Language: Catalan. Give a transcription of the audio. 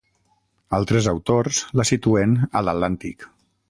Altres autors la situen a l'Atlàntic.